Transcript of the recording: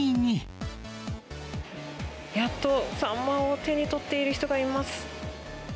やっとサンマを手に取っている人がいます。